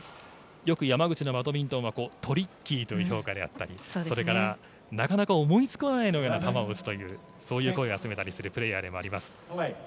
よく山口のバドミントンはトリッキーという評価であったりなかなか思いつかない球を打つとそういう声がするプレーヤーでもあります。